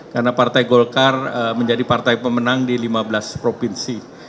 karena partai golkar menjadi partai pemenang di lima belas provinsi